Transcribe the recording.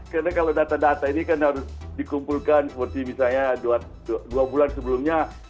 karena kalau data data ini kan harus dikumpulkan seperti misalnya dua bulan sebelumnya